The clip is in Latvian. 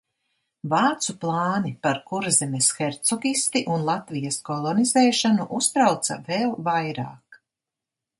Vācu plāni par Kurzemes hercogisti un Latvijas kolonizēšanu uztrauca vēl vairāk.